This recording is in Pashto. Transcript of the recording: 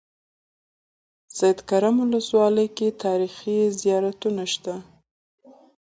سیدکرم ولسوالۍ کې تاریخي زيارتونه شته.